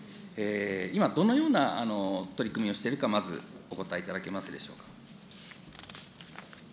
今、どのような取り組みをしてるか、まずお答えいただけますでしょうか。